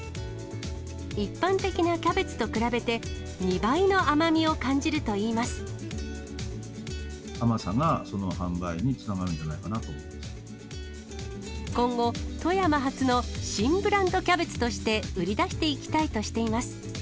一般的なキャベツと比べて、甘さが販売につながるんじゃ今後、富山発の新ブランドキャベツとして売り出していきたいとしています。